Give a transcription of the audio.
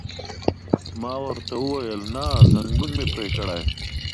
ما ورته وویل: نه، ځنګون مې پرې کړئ.